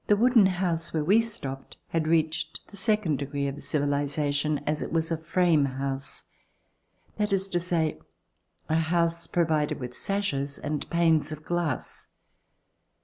The wooden house where we stopped had reached the second degree of civilization, as it was a frame house, that is to say, a house provided with sashes and panes of glass.